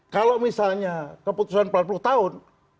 kalau misalnya keputusan empat puluh tahun